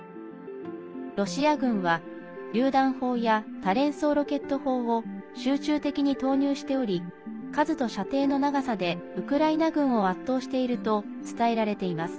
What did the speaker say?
ロシア軍は、りゅう弾砲や多連装ロケット砲を集中的に投入しており数と射程の長さでウクライナ軍を圧倒していると伝えられています。